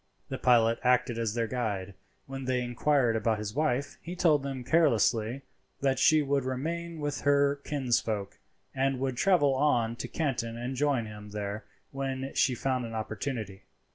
The pilot acted as their guide. When they inquired about his wife, he told them carelessly that she would remain with her kinsfolk, and would travel on to Canton and join him there when she found an opportunity.